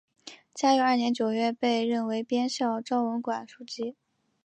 嘉佑二年九月被任为编校昭文馆书籍。